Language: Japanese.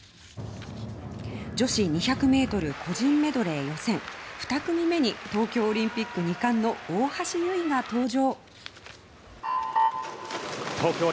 女子２００ｍ個人メドレー予選２組目に東京オリンピック２冠の大橋悠依が登場。